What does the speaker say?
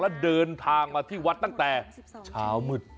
แล้วเดินทางมาที่วัดตั้งแต่เช้ามืด